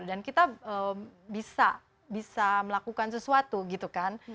dan kita bisa melakukan sesuatu gitu kan